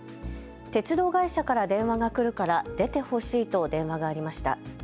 鉄道会社から電話が来るから出てほしいと電話がありました。